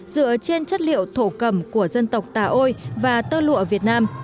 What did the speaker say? dựa trên chất liệu thổ cầm của dân tộc tà ôi và tơ lụa việt nam